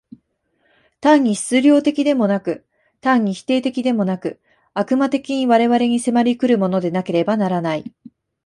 単に質料的でもなく、単に否定的でもなく、悪魔的に我々に迫り来るものでなければならない。